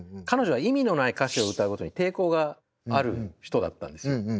彼女は意味のない歌詞を歌うことに抵抗がある人だったんです。